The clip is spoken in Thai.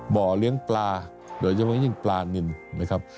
บ่อเลี้ยงปลาโดยเฉพาะยิ่งปลานินนะครับ